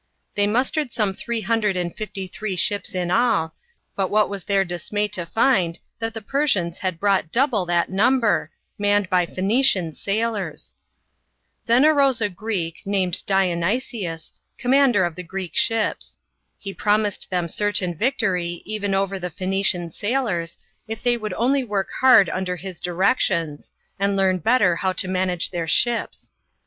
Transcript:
They mustered some three hundred and fifty three ships in all, btit what \vas their dismay to find, that the Per sians had brought double that number, manned by Phoenician sailors ! Then arose a Greek, named Dionysius, commander of the Greek ships. He promised them certain victory, even, over the Phoenician sailors, if they would only work hard under his directions, afid learn better how to manage their ships.